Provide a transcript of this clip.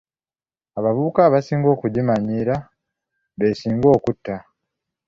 Abavubi abasinga okugimanyiira b'esinga okutta.